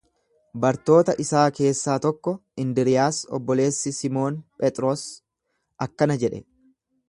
Bartoota isaa keessaa tokko, Indriiyaas obboleessi Simoon Phexros akkana jedhe.